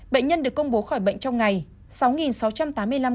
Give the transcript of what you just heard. bệnh nhân được công bố khỏi bệnh trong ngày sáu sáu trăm tám mươi năm ca